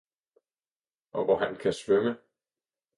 og hvor han kan svømme!